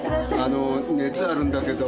あのー熱あるんだけど。